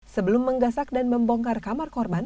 sebelum menggasak dan membongkar kamar korban